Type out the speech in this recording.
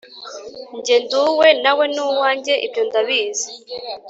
jye nduwe nawe nuwanjye ibyo ndabizi